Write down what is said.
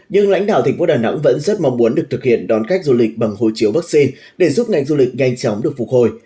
nhưng lãnh đạo thành phố đà nẵng vẫn rất mong muốn được thực hiện đón khách du lịch bằng hồi chiếu vaccine để giúp ngành du lịch nhanh chóng được phục hồi